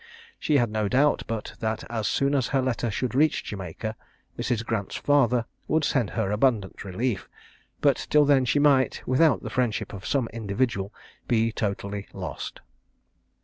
She had no doubt but that as soon as her letter should reach Jamaica, Mrs. Grant's father would send her abundant relief; but till then she might, without the friendship of some individual, be totally lost.